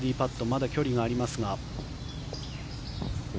まだ距離がありますが。